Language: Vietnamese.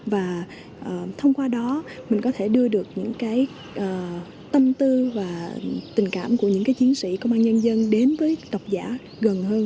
và thông qua đó mình có thể đưa được những cái tâm tư và tình cảm của những chiến sĩ công an nhân dân đến với độc giả gần hơn